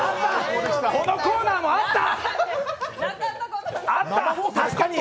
このコーナーもあった！